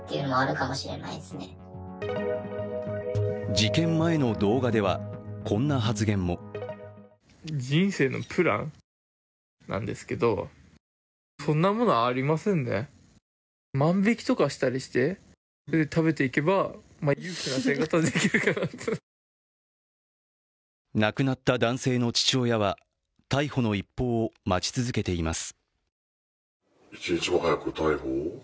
事件前の動画では、こんな発言も亡くなった男性の父親は逮捕の一報を待ち続けています。